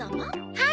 はい。